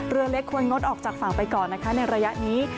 เรือเล็กควรงดออกจากฝั่งไปก่อนนะคะในระยะนี้